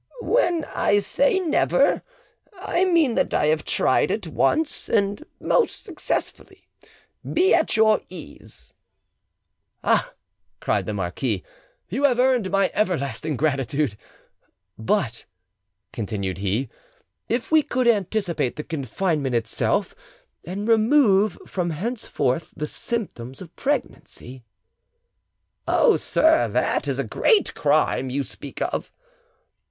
"When I say never, I mean that I have tried it once, and most successfully. Be at your ease." "Ah!" cried the marquis, "you have earned my everlasting gratitude! But," continued he, "if we could anticipate the confinement itself, and remove from henceforth the symptoms of pregnancy?" "Oh, sir, that is a great crime you speak of!"